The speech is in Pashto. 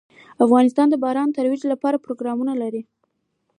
افغانستان د باران د ترویج لپاره پروګرامونه لري.